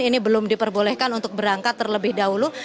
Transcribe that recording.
ini belum diperbolehkan untuk berangkat terlebih dahulu